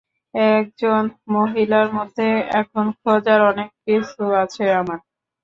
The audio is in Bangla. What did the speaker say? একজন মহিলার মধ্যে এখন খোঁজার অনেককিছু আছে আমার।